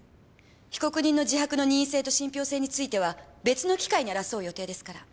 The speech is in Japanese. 被告人の自白の任意性と信憑性は別の機会に争う予定ですから。